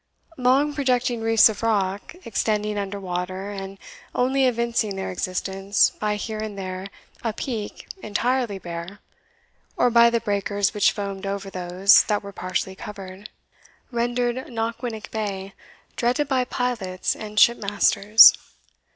Long projecting reefs of rock, extending under water and only evincing their existence by here and there a peak entirely bare, or by the breakers which foamed over those that were partially covered, rendered Knockwinnock bay dreaded by pilots and ship masters.